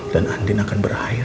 dan andin akan berakhir